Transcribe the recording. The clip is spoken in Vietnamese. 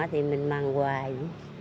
thì mình bằng hoài